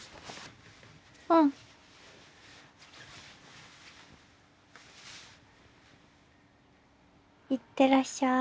うん。いってらっしゃい。